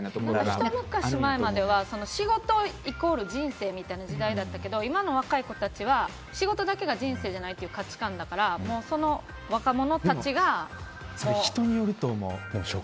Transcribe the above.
ひと昔前までは仕事イコール人生みたいな時代だったけど今の若い子たちは仕事だけが人生じゃないという価値観だからそれ、人によると思う。